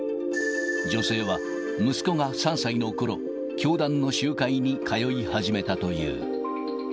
女性は息子が３歳のころ、教団の集会に通い始めたという。